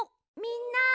みんな。